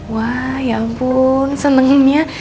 wah ya ampun senangnya